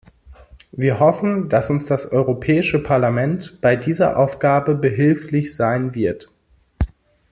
Wir hoffen, dass uns das Europäische Parlament bei dieser Aufgabe behilflich sein wird.